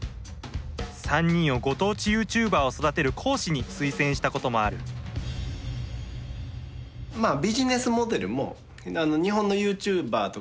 ３人をご当地ユーチューバーを育てる講師に推薦したこともあるほこりが出ないように。